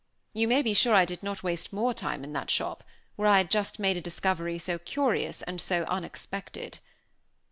You may be sure I did not waste more time in that shop, where I had just made a discovery so curious and so unexpected.